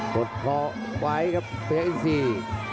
ตดเพาะไว้ครับพยังอินซี